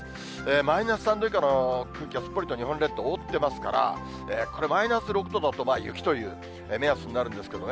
マイナス３度以下の空気がすっぽりと日本列島覆ってますから、これ、マイナス６度だと雪という目安になるんですけどね。